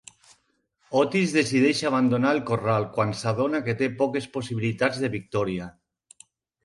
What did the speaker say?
Otis decideix abandonar el corral quan s'adona que té poques possibilitats de victòria.